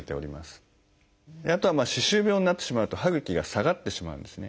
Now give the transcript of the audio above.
あとは歯周病になってしまうと歯ぐきが下がってしまうんですね。